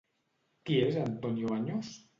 Qui és Antonio Baños?